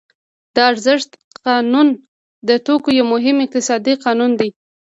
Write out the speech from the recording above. د ارزښت قانون د توکو یو مهم اقتصادي قانون دی